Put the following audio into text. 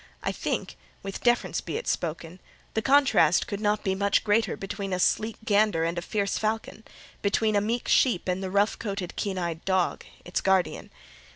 I think (with deference be it spoken) the contrast could not be much greater between a sleek gander and a fierce falcon: between a meek sheep and the rough coated keen eyed dog, its guardian.